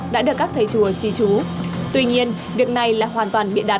và các thầy chùa trì trú tuy nhiên việc này là hoàn toàn bịa đặt